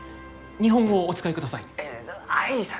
日本語をお使いください。